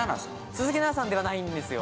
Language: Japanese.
鈴木奈々さんではないんですよ。